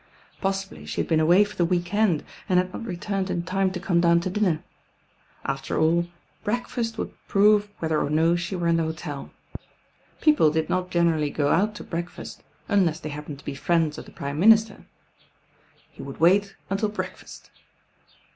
Possibly she had been away for the weekend, and had not re! turned m time to come down to dinner. After aU breakfast would prove whether or no she w^r^iS ae hotel. People d.d not generally go out to break Ust uni„, they happened to be friends of the Prime Master He would wait until breakfast.